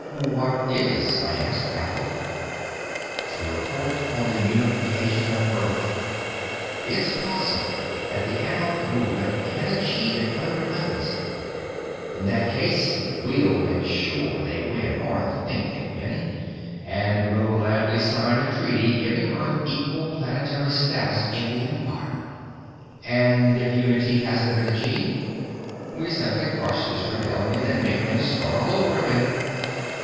"What is?" I asked, baffled. "To report on the unification of Earth. It's possible that the anarch movement can achieve it under Levinsohn. In that case, we'll make sure they win, or think they win, and will gladly sign a treaty giving Earth equal planetary status in the Empire." "And if unity hasn't been achieved?" "We simply crush this rebellion and make them start all over again.